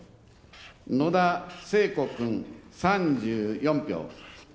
野田聖子君、３４票。